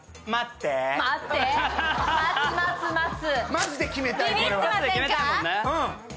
マジで決めたい、これは。